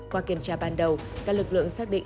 qua kiểm tra ban đầu các lực lượng xác định